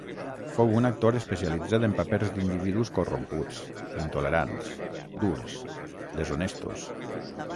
Fou un actor especialitzat en papers d'individus corromputs, intolerants, durs, deshonestos.